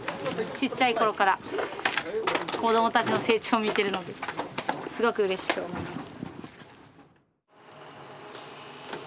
ちっちゃい頃から子供たちの成長を見てるのですごくうれしく思います。